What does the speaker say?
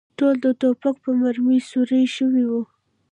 ټول د ټوپک په مرمۍ سوري شوي و.